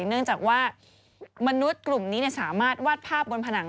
เนื่องจากว่ามนุษย์กลุ่มนี้สามารถวาดภาพบนผนัง